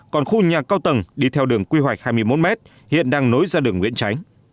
còn khu nhà cao tầng đi theo đường quy hoạch hai mươi một m hiện đang nối ra đường nguyễn tránh